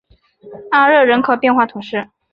阿热人口变化图示